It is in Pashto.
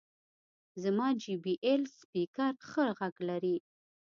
زما جې بي ایل سپیکر ښه غږ لري.